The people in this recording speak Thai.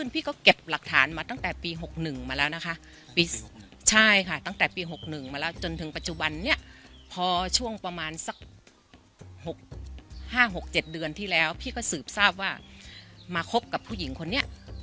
ปัจจุบันนี้พอช่วงประมาณสักห้าหกเจ็ดเดือนที่แล้วพี่ก็สืบทราบว่ามาคบกับผู้หญิงคนนี้